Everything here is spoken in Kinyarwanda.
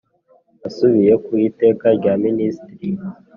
Asubiye ku Iteka rya Minisitirti